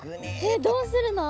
えっどうするの！？